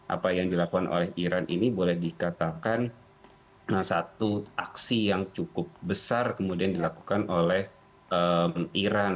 apa yang dilakukan oleh iran ini boleh dikatakan satu aksi yang cukup besar kemudian dilakukan oleh iran